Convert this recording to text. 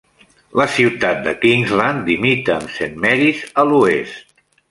La ciutat de Kingsland limita amb Saint Marys a l'oest.